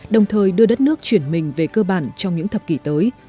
đồng thời đưa đất nước chuyển mình về cơ bản trong những thập kỷ tới